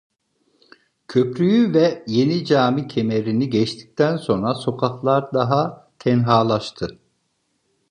Köprü’yü ve Yenicami kemerini geçtikten sonra sokaklar daha tenhalaştı.